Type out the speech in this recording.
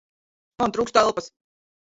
Man trūkst elpas!